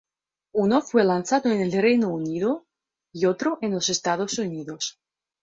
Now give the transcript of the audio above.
Uno fue lanzado en el Reino Unido, y otro en los Estados Unidos.